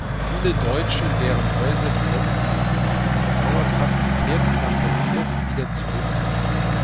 Viele Deutsche, deren Häuser die Bombenangriffe überdauert hatten, kehrten nach der Flucht wieder zurück.